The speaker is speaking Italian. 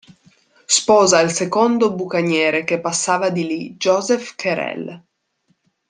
Sposa il secondo bucaniere che passava di lì: Joseph Cherel.